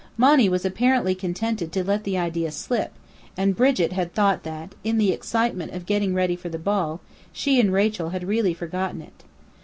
Monny was apparently contented to let the idea slip, and Brigit had thought that, in the excitement of getting ready for the ball, she and Rachel had really forgotten it.